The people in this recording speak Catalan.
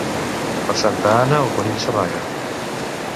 Per Santa Anna el conill s'amaga.